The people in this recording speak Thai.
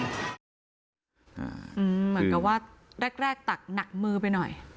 เหมือนกับว่าแรกตักหนักมือไปหน่อย